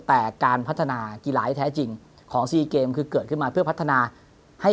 แต่การพัฒนากีฬาที่แท้จริงของ๔เกมคือเกิดขึ้นมาเพื่อพัฒนาให้